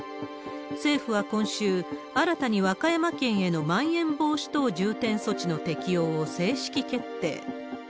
政府は今週、新たに和歌山県へのまん延防止等重点措置の適用を正式決定。